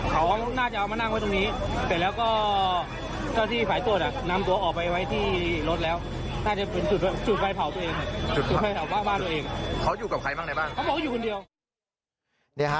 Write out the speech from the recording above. เขาบอกว่าอยู่คนเดียว